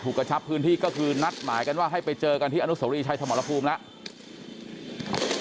กระชับพื้นที่ก็คือนัดหมายกันว่าให้ไปเจอกันที่อนุสวรีชัยสมรภูมิแล้ว